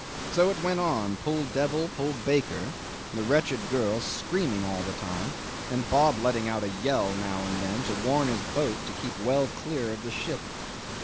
So it went on, pull devil, pull baker, the wretched girl screaming all the time, and Bob letting out a yell now and then to warn his boat to keep well clear of the ship.